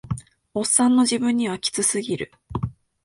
オッサンの自分にはキツすぎる